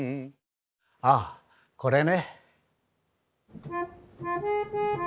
あこれね。